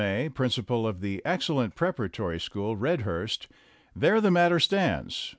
A., prin V V cipal of that excellent preparatory school, Redhurst, "there the matter stands.